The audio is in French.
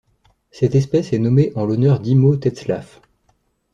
Cette espèce est nommée en l'honneur d'Immo Tetzlaff.